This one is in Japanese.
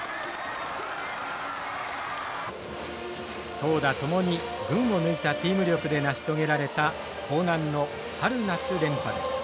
投打ともに群を抜いたチーム力で成し遂げられた興南の春夏連覇でした。